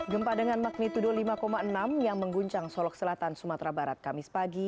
gempa dengan magnitudo lima enam yang mengguncang solok selatan sumatera barat kamis pagi